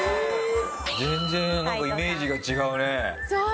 全然なんかイメージが違うね。